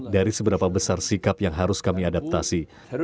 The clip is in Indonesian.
dari seberapa besar sikap yang harus kami adaptasi